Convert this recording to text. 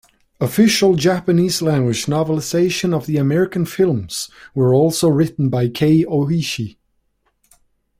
Official Japanese-language novelizations of the American films were also written by Kei Ohishi.